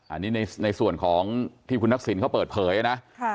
อันนี้ในส่วนของที่คุณทักษิณเขาเปิดเผยนะ